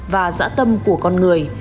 và dã tâm của con người